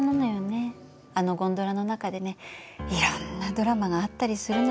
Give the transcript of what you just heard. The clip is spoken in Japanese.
あのゴンドラの中でねいろんなドラマがあったりするのよ。